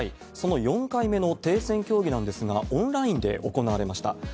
その４回目の停戦協議なんですが、オンラインで行われました。